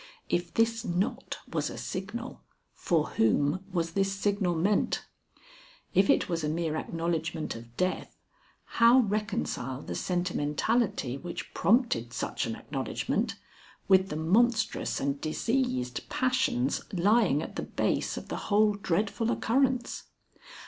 If this knot was a signal, for whom was this signal meant? If it was a mere acknowledgment of death, how reconcile the sentimentality which prompted such an acknowledgment with the monstrous and diseased passions lying at the base of the whole dreadful occurrence?